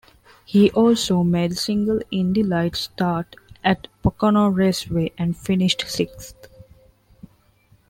He also made a single Indy Lights start at Pocono Raceway and finished sixth.